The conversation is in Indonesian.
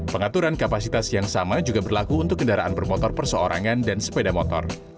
pengaturan kapasitas yang sama juga berlaku untuk kendaraan bermotor perseorangan dan sepeda motor